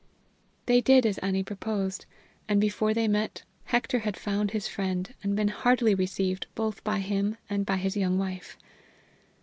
They did as Annie propose; and before they met, Hector had found his friend, and been heartily received both by him and by his young wife.